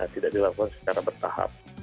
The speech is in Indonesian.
tidak dilakukan secara bertahap